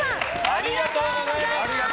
ありがとうございます！